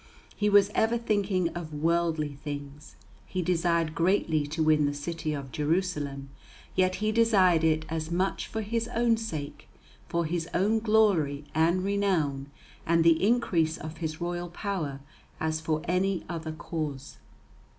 He was ever thinking of worldly things; he desired greatly to win the city of Jerusalem, yet he desired it as much for his own sake, for his own glory and renown, and the increase of his royal power, as for any other cause.